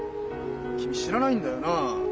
君知らないんだよな